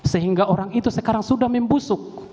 sehingga orang itu sekarang sudah membusuk